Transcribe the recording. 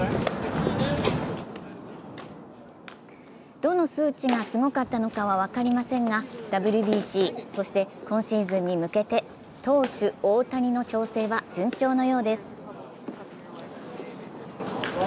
どの数値がすごかったのかは分かりませんがＷＢＣ、そして今シーズンに向けて投手・大谷の調整は順調なようです